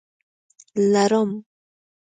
لړم